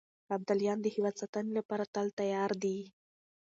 ابداليان د هېواد د ساتنې لپاره تل تيار دي.